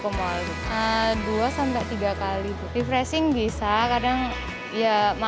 kemol gitu dua tiga kali refreshing bisa kadang ya makan